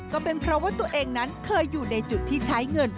ก็เป็นเพราะว่าตัวเองนั้นเคยอยู่ในจุดที่ใช้เงิน